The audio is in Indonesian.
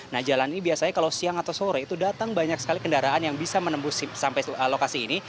nah jalan ini biasanya kalau siang atau sore itu datang banyak sekali kendaraan yang bisa menembus sampai lokasi ini